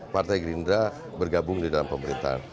partai gerindra bergabung di dalam pemerintahan